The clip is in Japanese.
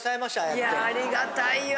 いやありがたいよ